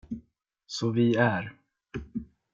Så vi är.